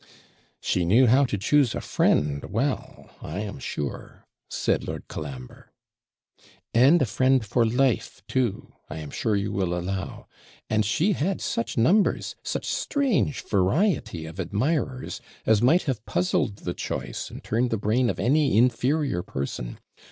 'She knew how to choose a friend well, I am sure,' said Lord Colambre. 'And a friend for life too, I am sure you will allow and she had such numbers, such strange variety of admirers, as might have puzzled the choice and turned the brain of any inferior person.